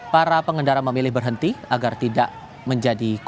para pengendara memilih berhenti agar tidak menjadi korban